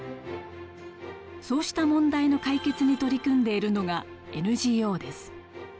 そうした問題の解決に取り組んでいるのがＮＧＯです。